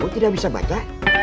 kamu tidak bisa baca